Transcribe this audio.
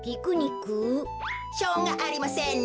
しょうがありませんね。